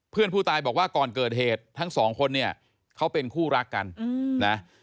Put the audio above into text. เพื่อนผู้ตายบอกว่าก่อนเกิดเหตุทั้งสองคนเนี่ยเขาเป็นคู่รักกันนะ